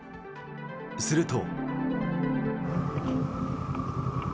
すると。